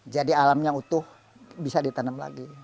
jadi alamnya utuh bisa ditanam lagi